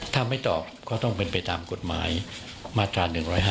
ถ้าไม่ตอบก็ต้องเป็นไปตามกฎหมายมาตรา๑๕